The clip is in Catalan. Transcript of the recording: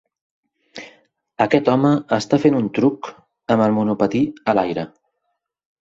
Aquest home està fent un truc amb el monopatí a l'aire.